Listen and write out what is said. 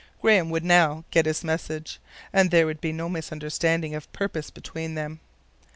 Graham would now get his message, and there could be no misunderstanding of purpose between them.